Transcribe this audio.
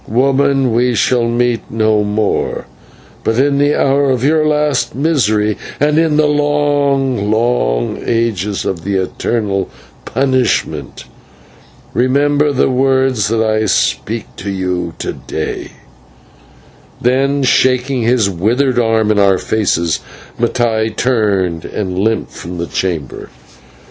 Woman, we shall meet no more; but in the hour of your last misery, and in the long, long ages of the eternal punishment, remember the words that I speak to you to day" and, shaking his withered arm in our faces, Mattai turned and limped from the chamber.